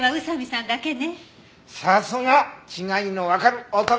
さすが！違いのわかる男！